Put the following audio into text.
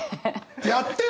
やってよ！